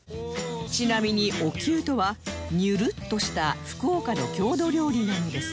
ちなみにおきゅうとはニュルッとした福岡の郷土料理なんですが